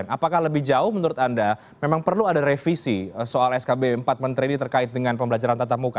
apakah lebih jauh menurut anda memang perlu ada revisi soal skb empat menteri ini terkait dengan pembelajaran tatap muka